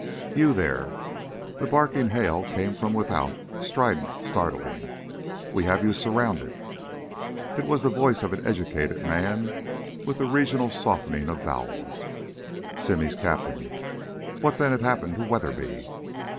"You theah...." The barking hail came from without, strident, startling. "We have you surrounded." It was the voice of an educated man with the regional softening of vowels. Simmy's cap'n? What then had happened to Weatherby?